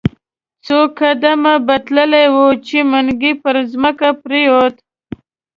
څو قدمه به تللی وو، چې منګی پر مځکه پریووت.